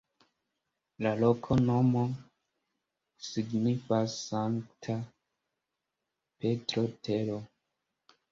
La loknomo signifas Sankta Petro-tero.